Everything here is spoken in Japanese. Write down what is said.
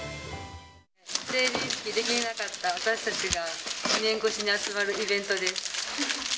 成人式できなかった私たちが、２年越しに集まるイベントです。